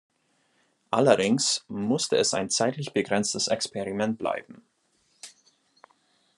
Allerdings musste es ein zeitlich begrenztes Experiment bleiben.